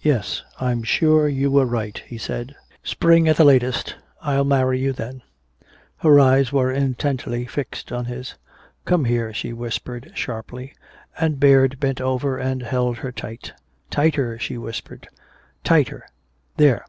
"Yes, I'm sure you were right," he said. "Spring at the latest I'll marry you then " Her eyes were intently fixed on his. "Come here!" she whispered sharply, and Baird bent over and held her tight. "Tighter!" she whispered. "Tighter!... There!...